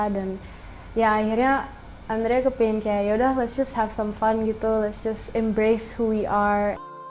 dan ya akhirnya andrea kepengen kayak yaudah let's just have some fun gitu let's just embrace who we are